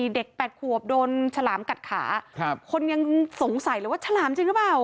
๘ขวบโดนฉลามกัดขาคนยังสงสัยเลยว่าฉลามจริงหรือเปล่า